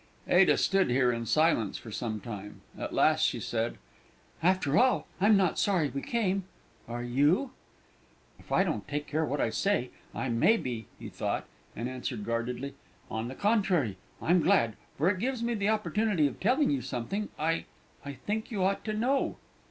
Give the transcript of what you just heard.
Ada stood here in silence for some time; at last she said, "After all, I'm not sorry we came are you?" "If I don't take care what I say, I may be!" he thought, and answered guardedly, "On the contrary, I'm glad, for it gives me the opportunity of telling you something I I think you ought to know."